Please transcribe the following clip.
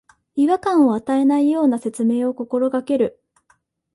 違和感を与えないような説明を心がける